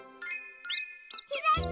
ひらいた！